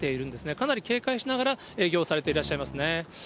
かなり警戒しながら営業をされていらっしゃいますね。